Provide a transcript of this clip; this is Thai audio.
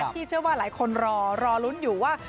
เชื่อว่าหลายคนรอรอลุ้นอยู่ว่า